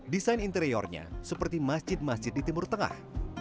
desain interiornya seperti masjid masjid di timur tengah